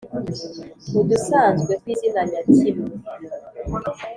udusanzwe tw’izina nyakimwe